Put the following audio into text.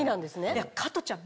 いや加トちゃん